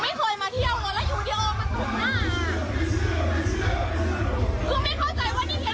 แล้วคืนนี้ไม่ได้เคยรู้จักผู้ชายคนนี้นะ